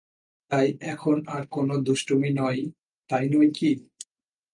তাই এখন আর কোনো দুষ্টুমি নয়, তাই নয় কি?